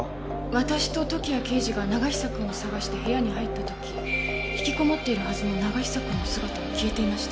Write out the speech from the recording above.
私と時矢刑事が永久くんを捜して部屋に入った時引きこもっているはずの永久くんの姿は消えていました。